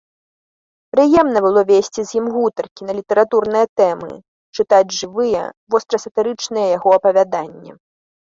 Прыемна было весці з ім гутаркі на літаратурныя тэмы, чытаць жывыя, вострасатырычныя яго апавяданні.